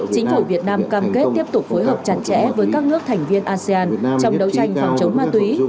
chính phủ việt nam cam kết tiếp tục phối hợp chặt chẽ với các nước thành viên asean trong đấu tranh phòng chống ma túy